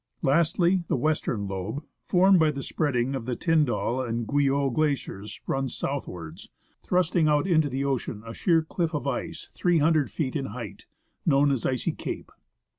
Lastly, the western lobe, formed by the spreading of the Tyndall and Guyot Glaciers, runs southwards, thrusting out into the ocean a sheer cliff of ice 300 feet in height, known as Icy Cape.